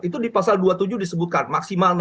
itu di pasal dua puluh tujuh disebutkan maksimal